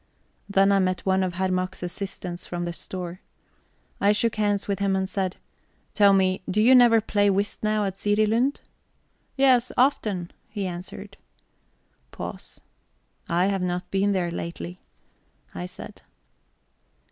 Then I met one of Herr Mack's assistants from the store. I shook hands with him, and said: "Tell me, do you never play whist now at Sirilund?" "Yes, often," he answered. Pause. "I have not been there lately," I said.